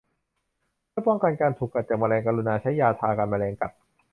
เพื่อป้องกันการถูกกัดจากแมลง กรุณาใช้ยาทากันแมลงกัด